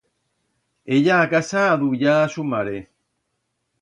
Ella a casa a aduyar a su mare.